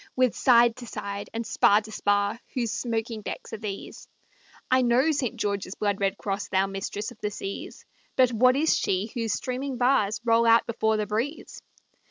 With side to side, and spar to spar, Whose smoking decks are these? I know St. George's blood red cross, Thou mistress of the seas, But what is she whose streaming bars Roll out before the breeze?